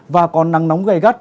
và còn nắng nóng gây gắt